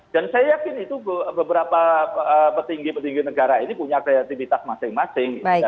dan saya yakin itu beberapa petinggi petinggi negara ini punya kreativitas masing masing